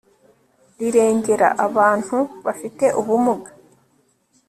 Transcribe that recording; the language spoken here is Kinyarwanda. rirengera abantu bafite ubumuga